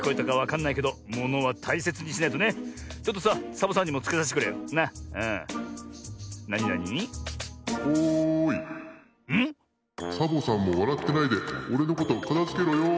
「サボさんもわらってないでおれのことかたづけろよ」。